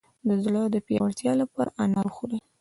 د زړه د پیاوړتیا لپاره انار وخورئ